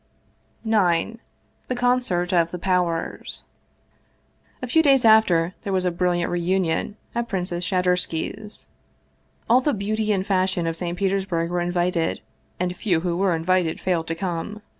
IX THE CONCERT OF THE POWERS A FEW days after there was a brilliant reunion at Prin cess Shadursky's. All the beauty and fashion of St. Peters burg were invited, and few who were invited failed to come.